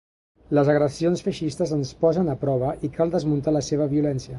Les agressions feixistes ens posen a prova i cal desmuntar la seva violència.